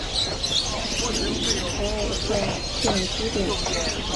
根特源于利斯河和斯海尔德河汇合的凯尔特定居点。